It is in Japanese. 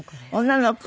女の子？